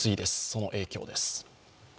その影響です。